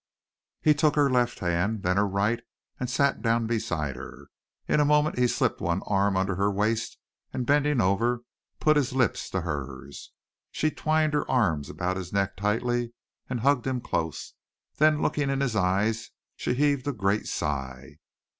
He took her left hand, then her right and sat down beside her. In a moment he slipped one arm under her waist and bending over put his lips to hers. She twined her arms about his neck tightly and hugged him close; then looking in his eyes she heaved a great sigh.